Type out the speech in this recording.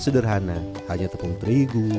sederhana hanya tepung terigu